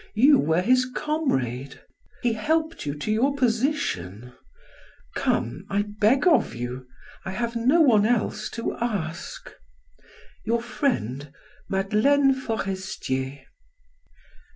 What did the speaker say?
You were his comrade; he helped you to your position; come, I beg of you; I have no one else to ask." "Your friend," "Madeleine Forestier."